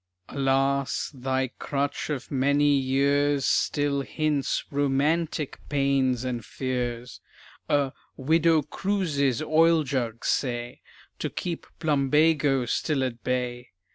Alas! thy crutch of many years Still hints "romantic" pains and fears; A "Widow Cruise's oil jug" say, To keep "plumbago" still at bay!